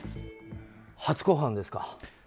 初公判ですか。